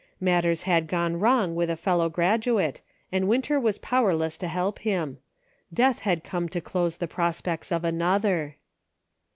Matters had gone wrong with a fel low graduate, and Winter was powerless to help him. Death had come to close the prospects of another.